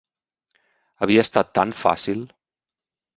Havia estat tan fàcil.